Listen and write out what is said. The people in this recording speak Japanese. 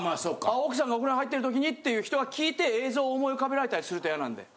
奥さんがお風呂に入ってる時にっていう人が聞いて映像を思い浮かべられたりすると嫌なんで。